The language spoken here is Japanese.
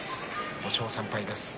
５勝３敗です。